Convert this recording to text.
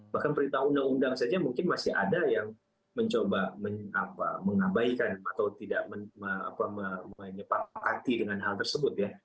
bahkan perintah undang undang saja mungkin masih ada yang mencoba mengabaikan atau tidak menyepakati dengan hal tersebut ya